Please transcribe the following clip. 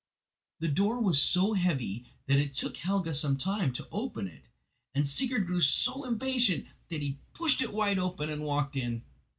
The door was so heavy, that it took Helga some time to open it, and Sigurd grew so impatient that he pushed it wide open and walked in.